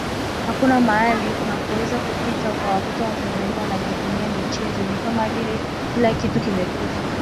hakuna mahali unakoweza kupita ukawakuta Watanzania wanajivunia michezo ni kama vile kila kitu kimekufa